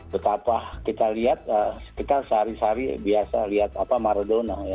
betapa kita lihat kita sehari hari biasa lihat marodona ya